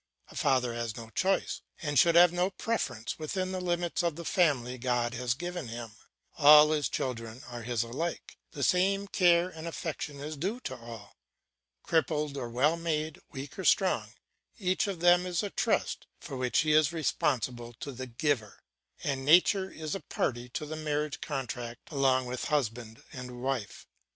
A father has no choice, and should have no preference within the limits of the family God has given him; all his children are his alike, the same care and affection is due to all. Crippled or well made, weak or strong, each of them is a trust for which he is responsible to the Giver, and nature is a party to the marriage contract along with husband and wife.